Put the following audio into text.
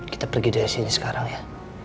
kita pergi dari sini sekarang ya